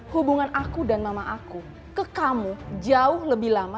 hubungan aku dan mama aku ke kamu jauh lebih lama